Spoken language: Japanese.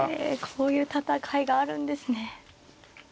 こういう戦いがあるんですね。